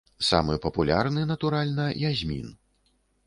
Самы папулярны, натуральна, язмін.